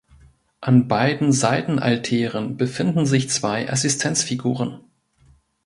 An beiden Seitenaltären befinden sich zwei Assistenzfiguren.